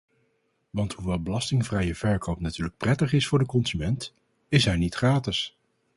Want hoewel belastingvrije verkoop natuurlijk prettig is voor de consument, is hij niet gratis.